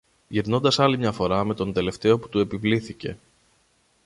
γυρνώντας άλλη μια φορά με τον τελευταίο που του επιβλήθηκε